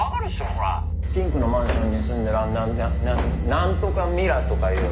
ほらピンクのマンションに住んでる何何とかミラとかいう。